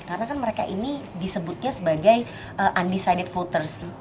karena kan mereka ini disebutnya sebagai undecided voters